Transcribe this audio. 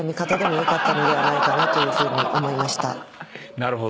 なるほど。